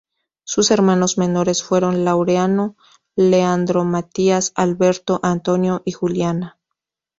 Sus hermanos menores fueron: Laureano, Leandro Matías, Alberto, Antonio y Juliana.